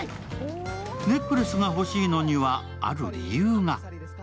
ネックレスが欲しいのにはある理由が。